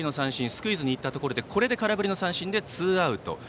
スクイズにいったところで空振り三振、ツーアウト。